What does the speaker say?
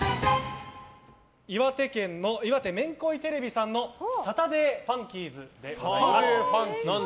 岩手県の岩手めんこいテレビさんの「サタデーファンキーズ」でございます。